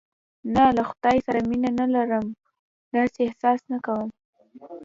نه، له خدای سره مینه نه لرم، داسې احساس نه کوم.